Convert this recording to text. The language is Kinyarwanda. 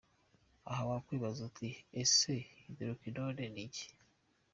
Aha wakwibaza uti ese hydrocquinone ni iki? .